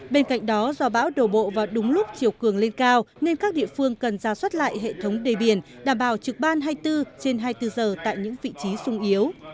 bên cạnh đó do bão đổ bộ vào đúng lúc chiều cường lên cao nên các địa phương cần ra soát lại hệ thống đề biển đảm bảo trực ban hai mươi bốn trên hai mươi bốn giờ tại những vị trí sung yếu